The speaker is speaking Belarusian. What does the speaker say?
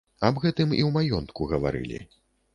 Аб гэтым і ў маёнтку гаварылі.